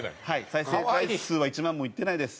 再生回数は１万もいってないです。